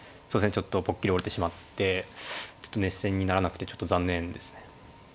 ちょっとポッキリ折れてしまってちょっと熱戦にならなくてちょっと残念ですね。